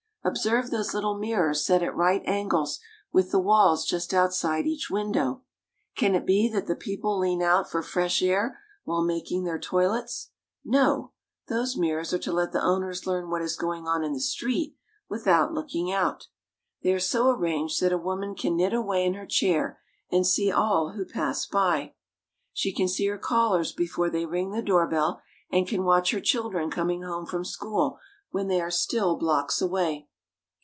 Observe those little mirrors set at right angles with the walls just outside each window. Can it be that the people lean out for fresh air while making their toilets ? No ! Those mirrors are to let the owners learn what is going on in the street without looking out. They are so arranged that a woman can knit away in her chair and see all who pass by. She can see her callers before they ring the door bell, and can watch her children coming home from school when they are still blocks away.